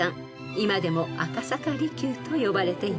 ［今でも赤坂離宮と呼ばれています］